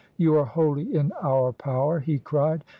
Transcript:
'You are wholly in our power,' he cried.